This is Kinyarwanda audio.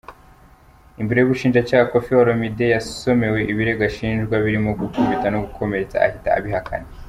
Imbere y’ubushinjacyaha, Koffi Olomide yasomewe ibirego ashinjwa birimo gukubita no gukomeretsa, ahita abihakana.